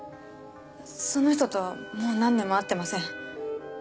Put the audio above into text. その人とはもう何年も会ってません。